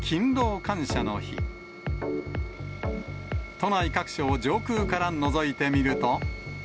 都内各所を上空からのぞいてみると。